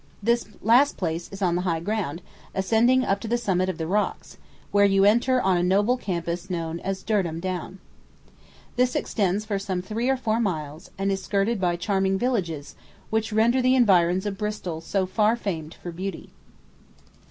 This last place is on the high ground, ascending up to the summit of the rocks, where you enter on a noble campus known as Durdham Down. This extends for some three or four miles, and is skirted by charming villages, which render the environs of Bristol so far famed for beauty.